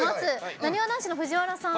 なにわ男子の藤原さん